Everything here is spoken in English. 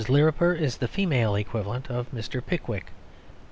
Lirriper is the female equivalent of Mr. Pickwick.